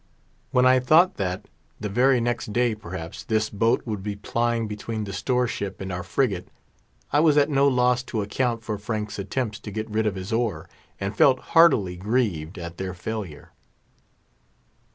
When I thought that, the very next day, perhaps, this boat would be plying between the store ship and our frigate, I was at no loss to account for Frank's attempts to get rid of his oar, and felt heartily grieved at their failure.